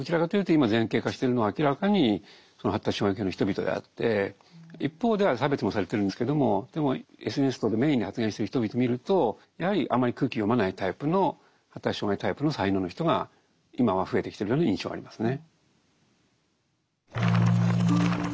どちらかというと一方では差別もされてるんですけどもでもＳＮＳ等でメインに発言してる人々見るとやはりあんまり空気読まないタイプの発達障害タイプの才能の人が今は増えてきてるような印象がありますね。